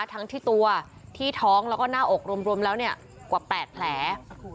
ทั้งที่ตัวที่ท้องแล้วก็หน้าอกรวมแล้วเนี่ยกว่า๘แผล